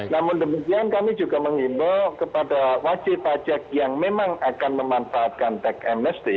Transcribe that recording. namun demikian kami juga mengimba kepada wajib pajak yang memang akan memanfaatkan tech mst